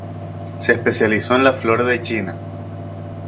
Se especializó en la flora de China.